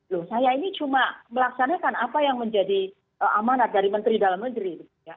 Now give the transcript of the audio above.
loh saya ini cuma melaksanakan apa yang menjadi amanat dari menteri dalam negeri